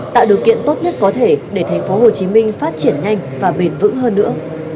tạo điều kiện tốt nhất có thể để tp hcm phát triển nhanh và bền vững hơn nữa